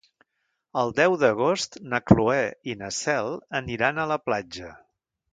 El deu d'agost na Cloè i na Cel aniran a la platja.